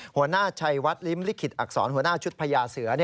หัวหน้าชัยวัดลิ้มลิขิตอักษรหัวหน้าชุดพญาเสือ